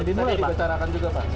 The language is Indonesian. tadi dibicarakan juga pak